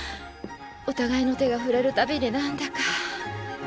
お互いの手が触れるたびになんだか。